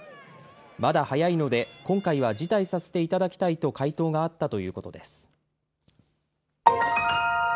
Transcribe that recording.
まだ早いので今回は辞退させていただきたいと回答があったということです。